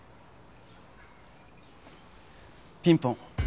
ピンポン！